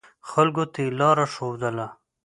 خلکو ته یې لاره ښودله.